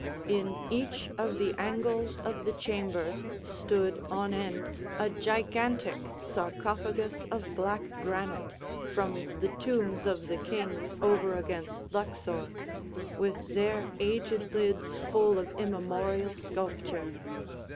In each of the angles of the chamber stood on end a gigantic sarcophagus of black granite, from the tombs of the kings over against Luxor, with their aged lids full of immemorial sculpture.